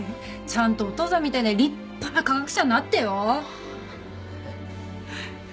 ちゃんとお父さんみたいな立派な科学者になってよ